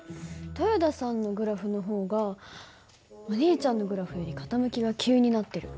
豊田さんのグラフの方がお兄ちゃんのグラフより傾きが急になってる。